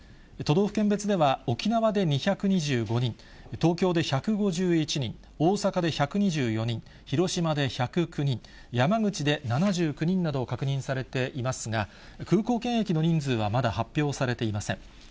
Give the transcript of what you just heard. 都道府県別では沖縄で２２５人、東京で１５１人、大阪で１２４人、広島で１０９人、山口で７９人など確認されていますが、空港検疫の人数はまだ発表されていません。